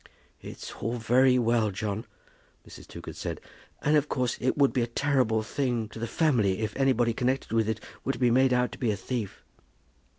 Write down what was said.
"It's all very well, John," Mrs. Toogood said; "and of course it would be a terrible thing to the family if anybody connected with it were made out to be a thief."